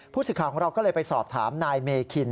สิทธิ์ของเราก็เลยไปสอบถามนายเมคิน